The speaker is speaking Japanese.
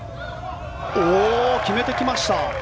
決めてきました！